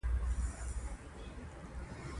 خور له خندا ژوند کوي.